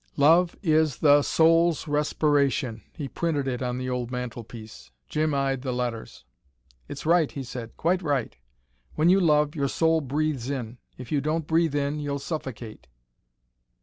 LOVE IS THE SOUL'S RESPIRATION. He printed it on the old mantel piece. Jim eyed the letters. "It's right," he said. "Quite right. When you love, your soul breathes in. If you don't breathe in, you suffocate."